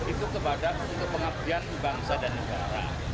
itu kepada untuk pengabdian bangsa dan negara